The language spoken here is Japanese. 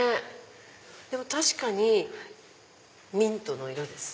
確かにミントの色です。